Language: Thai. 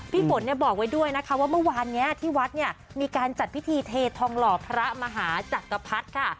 ฝนเนี่ยบอกไว้ด้วยนะคะว่าเมื่อวานนี้ที่วัดเนี่ยมีการจัดพิธีเททองหล่อพระมหาจักรพรรดิค่ะ